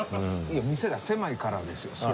いや店が狭いからですよ